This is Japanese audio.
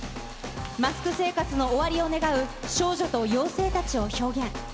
マスク生活の終わりを願う少女と妖精たちを表現。